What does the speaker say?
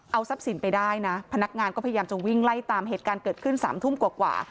เอาทรัพย์สินไปได้นะพนักงานก็พยายามจะวิ่งไล่ตามเหตุการณ์เกิดขึ้น๓ทุ่มกว่า